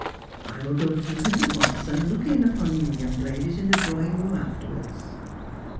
I will go to him at once, and look in upon you young ladies in the drawing room after wards."